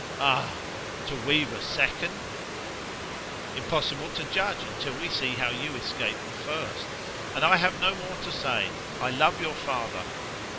"Ah to weave a second?" "Impossible to judge until we see how you escape the first. And I have no more to say. I love your father.